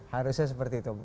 harusnya seperti itu